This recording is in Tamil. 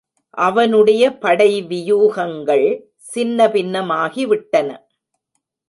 அவனுடைய படை வியூகங்கள் சின்ன பின்னமாகிவிட்டன.